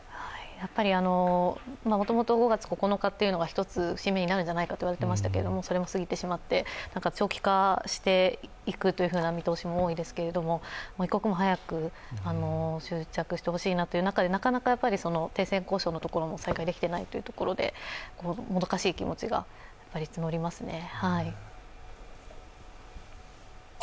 やっぱりもともと５月９日というのが一つ節目になるんじゃないかといわれていたのがそれも過ぎてしまって、長期化していくという見通しも多いですけれども、一刻も早く執着してほしいなということで、なかなか停戦交渉のところも再開できてないということでもどかしい気持ちが募りますね。